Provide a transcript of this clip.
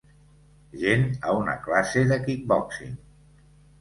Gent a una classe de kickboxing.